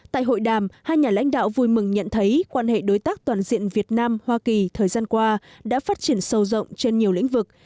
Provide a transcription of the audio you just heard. tại hội đàm hai nhà lãnh đạo vui mừng nhận thấy quan hệ đối tác toàn diện việt nam hoa kỳ thời gian qua đã phát triển sâu rộng trên nhiều lĩnh vực